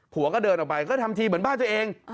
หัวก็เดินออกไปก็ทำทีเหมือนบ้านตัวเอง